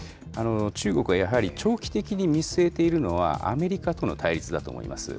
中国はやはり、長期的に見据えているのは、アメリカとの対立だと思います。